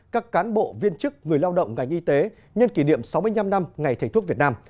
các cán bộ viên chức người lao động ngành y tế nhân kỷ niệm sáu mươi năm năm ngày thầy thuốc việt nam